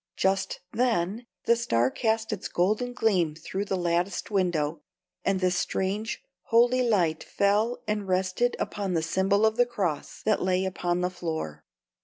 Just then the Star cast its golden gleam through the latticed window, and this strange, holy light fell and rested upon the symbol of the cross that lay upon the floor.